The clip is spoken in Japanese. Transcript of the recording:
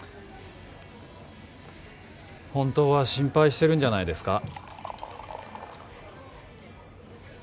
本当は心配してるんじゃないですか？